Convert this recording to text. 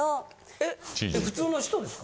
え普通の人ですか？